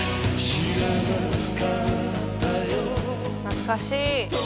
懐かしい。